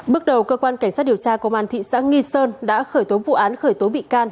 bước đầu cơ quan cảnh sát điều tra công an thị xã nghi sơn đã khởi tố vụ án khởi tố bị can